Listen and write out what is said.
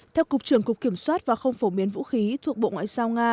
theo cục trưởng cục kiểm soát và không phổ biến vũ khí thuộc bộ ngoại giao nga